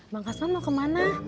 bang kasman mau kemana